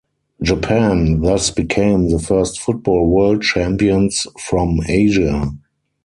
Japan thus became the first football world champions from Asia.